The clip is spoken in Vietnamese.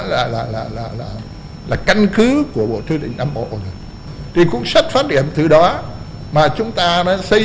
là là là là là là căn cứ của bộ tư lĩnh nam bộ rồi thì cũng sắt phát điểm từ đó mà chúng ta đã xây